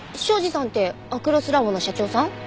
庄司さんってアクロスラボの社長さん？